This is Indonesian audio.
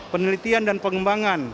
penelitian dan pengembangan